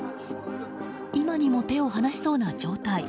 今にも手を放しそうな状態。